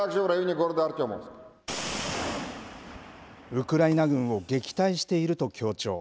ウクライナ軍を撃退していると強調。